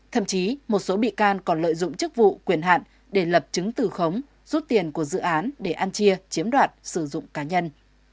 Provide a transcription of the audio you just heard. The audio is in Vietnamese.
thậm chí một số bị can còn lợi dụng chức vụ quyền hạn để lập chứng từ khống rút tiền của dự án để ăn chia chiếm đoạt sử dụng cá nhân